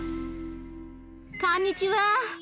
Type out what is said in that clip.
こんにちは。